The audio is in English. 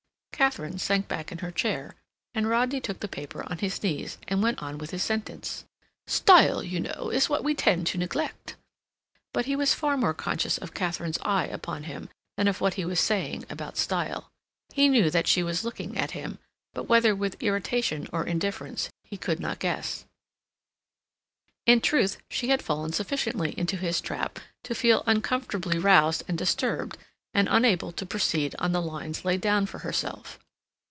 Katharine sank back in her chair, and Rodney took the paper on his knees, and went on with his sentence. "Style, you know, is what we tend to neglect—"; but he was far more conscious of Katharine's eye upon him than of what he was saying about style. He knew that she was looking at him, but whether with irritation or indifference he could not guess. In truth, she had fallen sufficiently into his trap to feel uncomfortably roused and disturbed and unable to proceed on the lines laid down for herself.